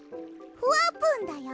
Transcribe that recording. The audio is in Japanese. ふわぷんだよ。